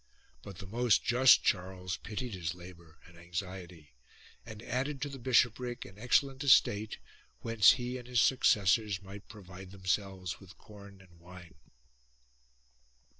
But the most just Charles pitied his labour and anxiety and added to the bishopric an excellent estate whence he and his suc cessors might provide themselves with corn and wine.